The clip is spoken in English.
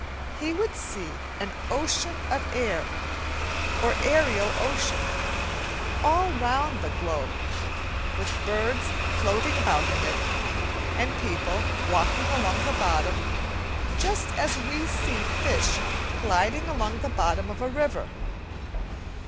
He would see an ocean of air, or aerial ocean, all round the globe, with birds floating about in it, and people walking along the bottom, just as we see fish gliding along the bottom of a river.